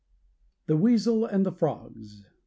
] THE WEASEL AND THE FROGS.